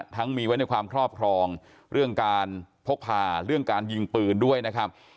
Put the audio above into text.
ทั้งมีไว้ในความครอบครองเรื่องการพกพาเรื่องการยิงปืนด้วยนะครับ